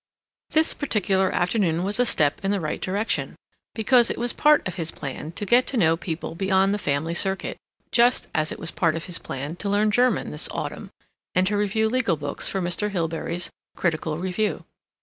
This particular afternoon was a step in the right direction, because it was part of his plan to get to know people beyond the family circuit, just as it was part of his plan to learn German this autumn, and to review legal books for Mr. Hilbery's "Critical Review."